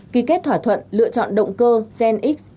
ký kết thỏa thuận lựa chọn động cơ gen x